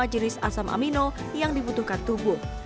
jenis asam amino yang dibutuhkan tubuh